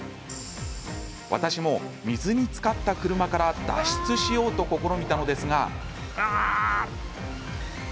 私も水につかった車から脱出しようと試みたのですが。